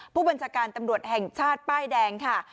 ผู้บัญชาการตำรวจแห่งชาติป้ายแดงค่ะ